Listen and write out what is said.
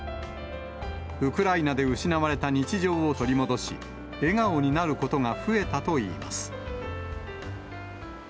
ウクライナで失われた日常を取り戻し、笑顔になることが増えたといいます。